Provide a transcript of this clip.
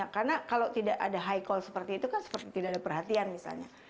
karena kalau tidak ada high call seperti itu kan tidak ada perhatian misalnya